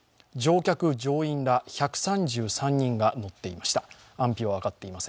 乗客・乗員ら１３３人が乗っていました。